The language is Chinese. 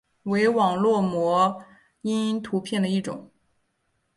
为网络模因图片的一种。